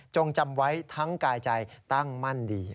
จำไว้ทั้งกายใจตั้งมั่นดี